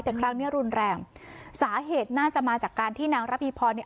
แต่ครั้งเนี้ยรุนแรงสาเหตุน่าจะมาจากการที่นางระพีพรเนี่ย